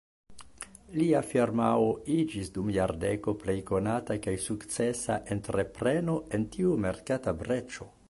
Lia firmao iĝis dum jardeko plej konata kaj sukcesa entrepreno en tiu merkata breĉo.